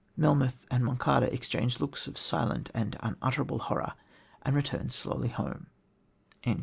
"Melmoth and Monçada exchanged looks of silent and unutterable horror, and returned slowly home."